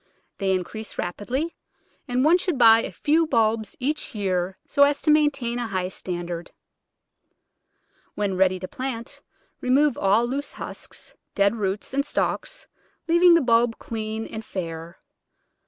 They increase rapidly, and one should buy a few bulbs each year so as to maintain a high standard. When ready to plant, remove all loose husks, dead roots, and stalks, leaving the bulb clean and fair.